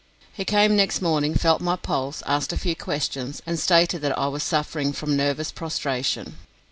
He came next morning, felt my pulse, asked a few questions, and stated that I was suffering from nervous prostration.